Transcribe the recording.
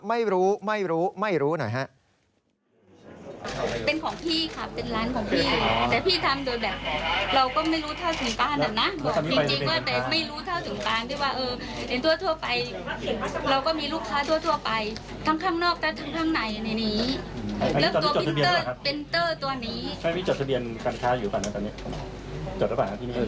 ไม่รู้ไม่รู้ไม่รู้หน่อยครับ